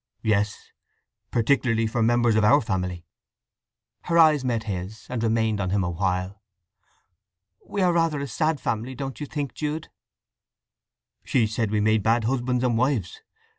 "Yes. Particularly for members of our family." Her eyes met his, and remained on him awhile. "We are rather a sad family, don't you think, Jude?" "She said we made bad husbands and wives.